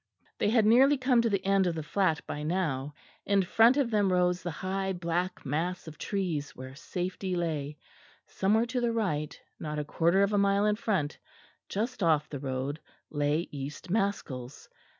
They had nearly come to an end of the flat by now. In front of them rose the high black mass of trees where safety lay; somewhere to the right, not a quarter of a mile in front, just off the road, lay East Maskells.